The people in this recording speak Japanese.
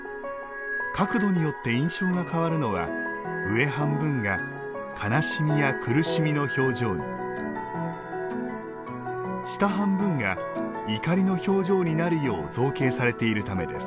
角度によって印象が変わるのは上半分が悲しみや苦しみの表情に下半分が、怒りの表情になるよう造形されているためです。